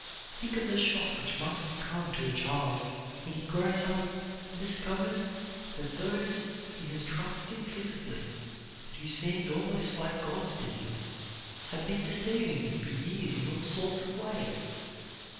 Think of the shock which must come to a child when he grows up and discovers that those he has trusted implicitly and who seemed almost like gods to him have been deceiving him for years in all sorts of ways!